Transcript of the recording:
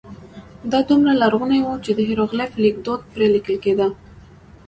دا دومره لرغونی و چې د هېروغلیف لیکدود پرې لیکل کېده.